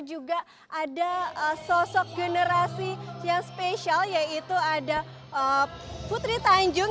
juga ada sosok generasi yang spesial yaitu ada putri tanjung